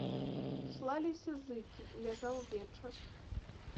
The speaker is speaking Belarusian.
Слаліся зыкі, і ляжаў вечар.